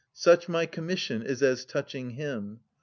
45 Such my commission is as touching him.